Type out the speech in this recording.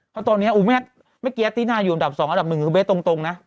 เพราะตอนนี้อุ้มแม่แม่เกียรตินาอยู่อันดับสองอันดับหนึ่งคือเบสตรงนะ